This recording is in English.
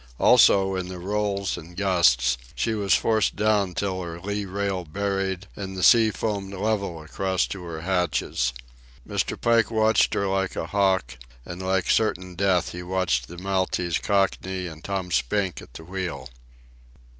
Also, in the rolls and gusts, she was forced down till her lee rail buried and the sea foamed level across to her hatches. Mr. Pike watched her like a hawk, and like certain death he watched the Maltese Cockney and Tom Spink at the wheel.